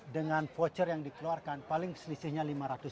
dengan voucher yang dikeluarkan paling selisihnya lima ratus